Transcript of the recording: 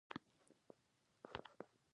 په اروپا کې مي په بېلو بېلو غونډو کې لوستې دي.